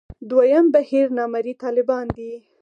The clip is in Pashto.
دویم بهیر نامرئي طالبان دي.